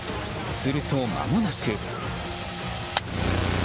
すると、まもなく。